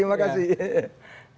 terima kasih pak arief